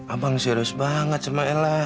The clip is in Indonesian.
abang serius banget sama ella